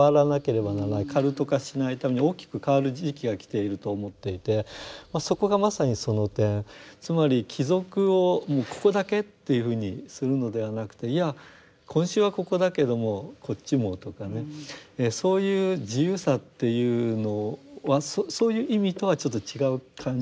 カルト化しないために大きく変わる時期が来ていると思っていてそこがまさにその点つまり帰属をもうここだけというふうにするのではなくていや今週はここだけどもこっちもとかねそういう自由さっていうのはそういう意味とはちょっと違う感じでしょうか。